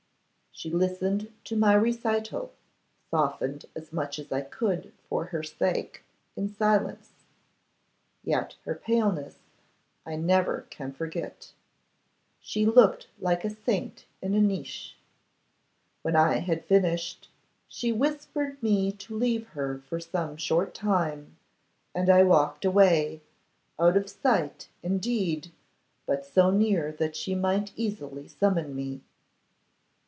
She listened to my recital, softened as much as I could for her sake, in silence. Yet her paleness I never can forget. She looked like a saint in a niche. When I had finished, she whispered me to leave her for some short time, and I walked away, out of sight indeed, but so near that she might easily summon me.